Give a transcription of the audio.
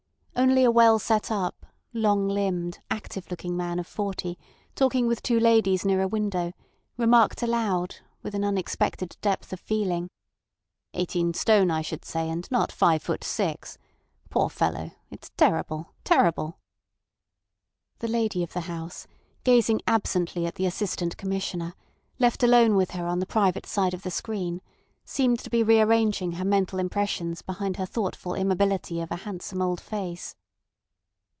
Only a well set up, long limbed, active looking man of forty talking with two ladies near a window remarked aloud, with an unexpected depth of feeling: "Eighteen stone, I should say, and not five foot six. Poor fellow! It's terrible—terrible." The lady of the house, gazing absently at the Assistant Commissioner, left alone with her on the private side of the screen, seemed to be rearranging her mental impressions behind her thoughtful immobility of a handsome old face.